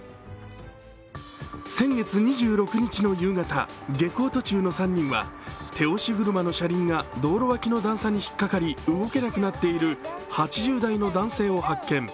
先月２６日の夕方、下校途中の３人は手押し車の車輪が道路脇の段差に引っかかり動けなくなっている８０代の男性を発見。